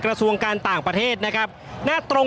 ก็น่าจะมีการเปิดทางให้รถพยาบาลเคลื่อนต่อไปนะครับ